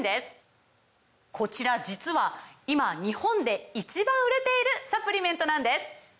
こちら実は今日本で１番売れているサプリメントなんです！